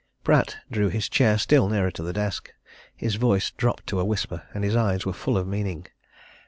Pratt drew his chair still nearer to the desk. His voice dropped to a whisper and his eyes were full of meaning.